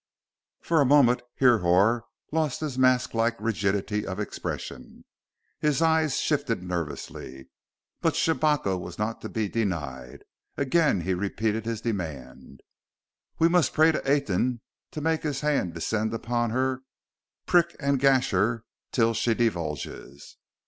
For a moment Hrihor lost his mask like rigidity, of expression. His eyes shifted nervously. But Shabako was not to be denied. Again be repeated his demand. "We must pray to Aten to make his hand descend on her, prick and gash her, till she divulges!"